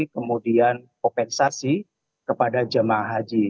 kemudian kompensasi kepada jemaah haji